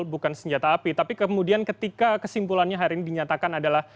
bukan senjata api tapi kemudian ketika kesimpulannya hari ini dinyatakan adalah